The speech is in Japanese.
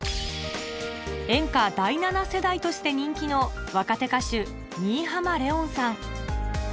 演歌第７世代として人気の若手歌手新浜レオンさん